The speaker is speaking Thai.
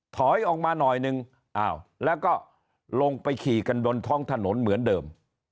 ถอยออกมาหน่อยนึงแล้วก็ลงไปขี่กันบนท้องถนนเหมือนเดิม